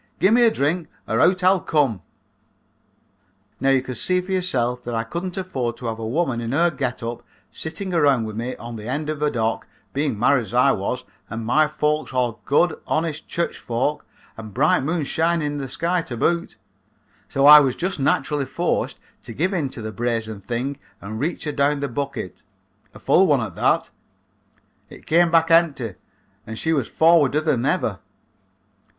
Gimme a drink or out I'll come.' "Now you can see for yourself that I couldn't afford to have a woman in her get up sitting around with me on the end of a dock, being married as I was and my folks all good honest church folks, and bright moon shining in the sky to boot, so I was just naturally forced to give in to the brazen thing and reach her down the bucket, a full one at that. It came back empty and she was forwarder than ever.